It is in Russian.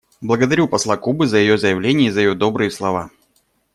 Благодарю посла Кубы за ее заявление и за ее добрые слова.